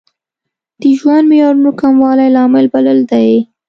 د ژوند معیارونو کموالی لامل بللی دی.